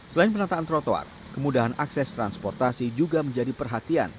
selain penataan trotoar kemudahan akses transportasi juga menjadi perhatian